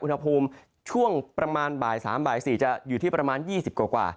อุณหภูมิช่วงประมาณบ่ายสามบ่ายสี่จะอยู่ที่ประมาณยี่สิบกว่า